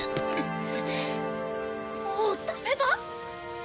もうダメだ。